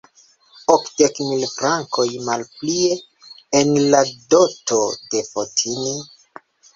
Okdek mil frankoj malplie en la doto de Fotini?